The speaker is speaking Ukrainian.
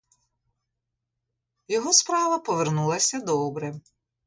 Його справа повернулася добре.